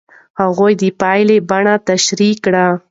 هغوی د پایلې بڼه تشریح کوي.